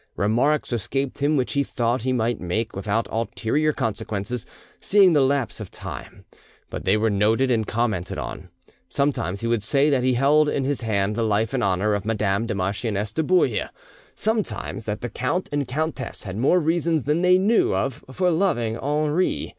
Remarks escaped him which he thought he might make without ulterior consequences; seeing the lapse of time, but they were noted and commented on. Sometimes he would say that he held in his hand the life and honour of Madame the Marchioness de Bouille; sometimes that the count and countess had more reasons than they knew of for loving Henri.